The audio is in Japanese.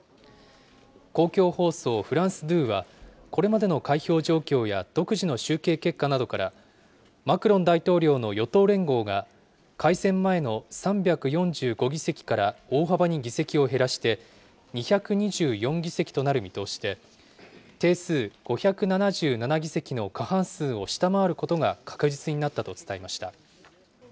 公共放送、フランス２は、これまでの開票状況や独自の集計結果などから、マクロン大統領の与党連合が、改選前の３４５議席から大幅に議席を減らして、２２４議席となる見通しで、定数５７７議席の過半数を下回ることが確実になったと伝えました。